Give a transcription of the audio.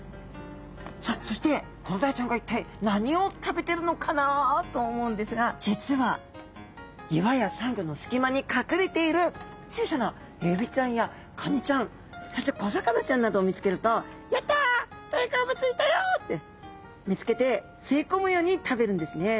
さあそしてコロダイちゃんが一体何を食べてるのかなと思うんですが実は岩やサンゴの隙間に隠れている小さなエビちゃんやカニちゃんそして小魚ちゃんなどを見つけると「やった！大好物いたよ！」って見つけて吸い込むように食べるんですね。